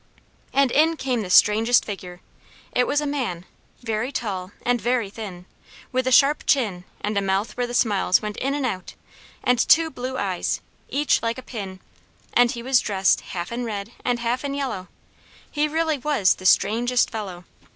And in came the strangest figure! It was a man, very tall and very thin, with a sharp chin and a mouth where the smiles went out and in, and two blue eyes, each like a pin; and he was dressed half in red and half in yellow he really was the strangest fellow!